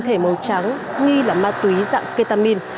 thể màu trắng nghi là ma túy dạng ketamine